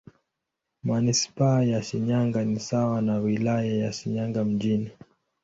Manisipaa ya Shinyanga ni sawa na Wilaya ya Shinyanga Mjini.